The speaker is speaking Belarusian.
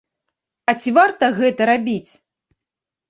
А ці варта гэта рабіць?